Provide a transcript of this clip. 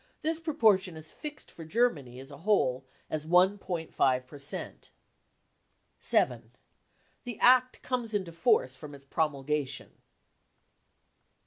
This proportion is fixed for Germany as a whole as 1.5 per cent. 7. The Act comes into force from its promulgation.